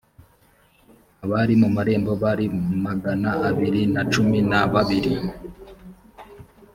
abari mu marembo bari magana abiri na cumi na babiri